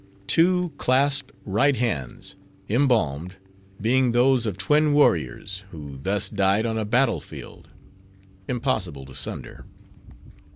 Two clasped Right Hands, embalmed; being those of twin warriors, who thus died on a battle field. (Impossible to sunder).